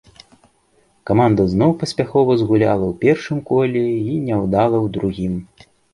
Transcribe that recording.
Каманда зноў паспяхова згуляла ў першым коле і няўдала ў другім.